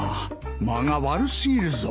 間が悪過ぎるぞ。